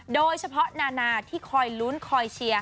โดยเฉพาะนาที่คอยลุ้นคอยเชียร์